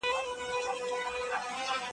چي ښار نه پرېږدو